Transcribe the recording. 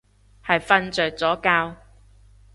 係瞓着咗覺